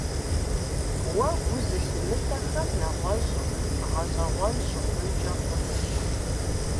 Уэ гу зылъумытэхэм нэгъуэщӀым гъэщӏэгъуэн щыхъункӏэ хъунущ.